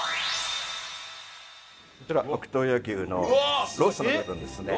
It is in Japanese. こちら奥洞爺牛のロースの部分ですね。